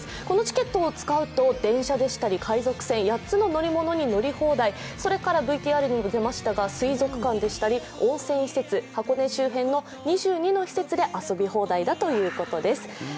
このチケットを使うと電車でしたり、海賊船８つの乗り物に乗り放題、それからＶＴＲにも出ましたが水族館でしたり、温泉施設、箱根周辺の２２の施設で遊び放題だということです。